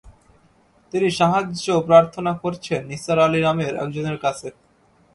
তিনি সাহায্য প্রার্থনা করছেন নিসার আলি নামের একজনের কাছে।